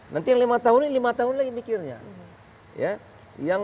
nanti yang lima tahun ini lima tahun lagi mikirnya